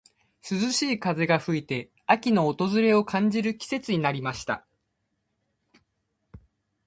涼しい風が吹いて、秋の訪れを感じる季節になりました。